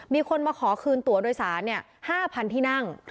มีคนมาขอคืนตัวโดยสาร๕๐๐๐ที่นั่ง